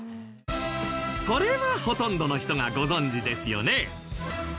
これはほとんどの人がご存じですよね。